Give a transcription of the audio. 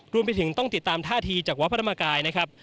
รวมไปถึงต้องติดตามท่าทีจากวัดพระธรรมกายนะครับ